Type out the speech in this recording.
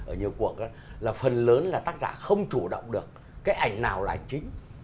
ở nhiều cuộc là phần lớn là tác giả không chủ động được cái ảnh nào là chính